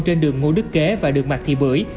trên đường ngô đức kế và đường mạc thị bưởi